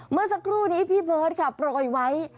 เมื่อสักครู่นี้พี่เบิร์ตค่ะโปรยไว้